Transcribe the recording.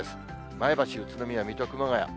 前橋、宇都宮、水戸、熊谷。